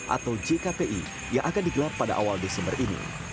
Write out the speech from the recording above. atau jkpi yang akan digelar pada awal desember ini